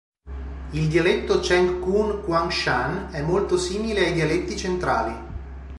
Il dialetto Chengkung-Kwangshan è molto simile ai dialetti centrali.